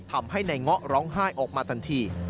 ทำให้นายเงาะร้องไห้ออกมาทันที